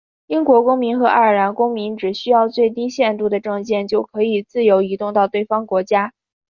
英国公民和爱尔兰公民只需要最低限度的证件就可以自由移动到对方国家。